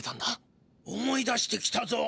思い出してきたぞ。